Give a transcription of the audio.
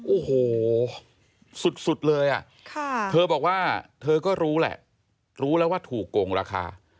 โอ้โหสุดเลยเธอบอกว่าเธอก็รู้แหละรู้แล้วว่าถูกโกงราคา